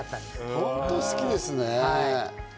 本当好きですね。